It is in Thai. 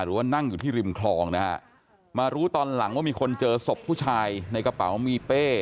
หรือว่านั่งอยู่ที่ริมคลองนะฮะมารู้ตอนหลังว่ามีคนเจอศพผู้ชายในกระเป๋ามีเป้